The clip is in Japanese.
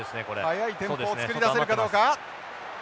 速いテンポを作り出せるかどうか。